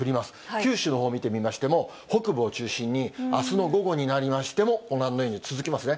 九州のほう見てみましても、北部を中心に、あすの午後になりましてもご覧のように続きますね。